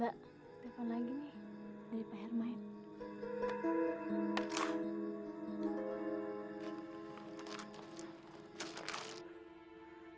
mbak telepon lagi nih dari pak hermain